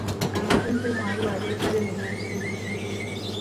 Abatuuze mu Arua beetabye mu by'obusuubuzi.